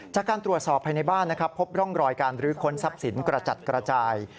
จากการตรวจสอบภายในบ้านนะครับพบร่องรอยการรื้อค้นทรัพย์สินกระจัดกระจาย